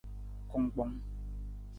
Kungkpong.